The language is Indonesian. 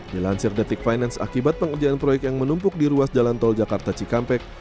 dilansir detik finance akibat pengerjaan proyek yang menumpuk di ruas jalan tol jakarta cikampek